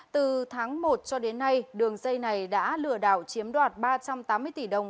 từ tháng một cho đến nay đường dây này đã lừa đảo chiếm đoạt ba trăm tám mươi tỷ đồng